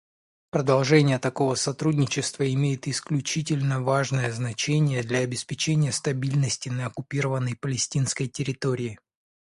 Продолжение такого сотрудничества имеет исключительно важное значение для обеспечения стабильности на оккупированной палестинской территории.